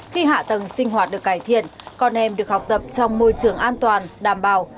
khi hạ tầng sinh hoạt được cải thiện con em được học tập trong môi trường an toàn đảm bảo